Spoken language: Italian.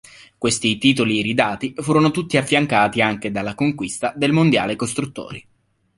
Questi titoli iridati furono tutti affiancati anche dalla conquista del mondiale costruttori.